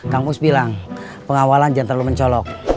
kang us bilang pengawalan jangan terlalu mencolok